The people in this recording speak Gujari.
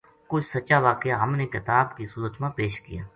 کُجھ سچا واقعہ ہم نے کتا ب کی صورت ما پیش کیا